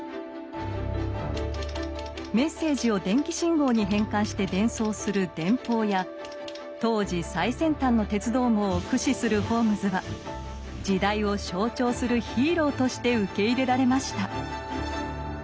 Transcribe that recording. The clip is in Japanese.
メッセージを電気信号に変換して伝送する電報や当時最先端の鉄道網を駆使するホームズは時代を象徴するヒーローとして受け入れられました。